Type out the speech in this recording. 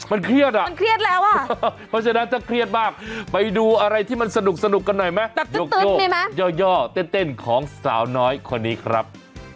มันเครียดอ่ะมันเครียดแล้วอ่ะเพราะฉะนั้นถ้าเครียดมากไปดูอะไรที่มันสนุกกันหน่อยไหมโยกย่อเต้นของสาวน้อยคนนี้ครับ